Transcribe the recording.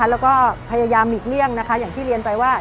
แล้วก็พยายามหลีกเลี่ยงนะคะอย่างที่เรียนไปว่า